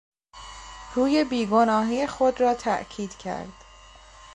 روی بیگناهی خود را تاکید کرد.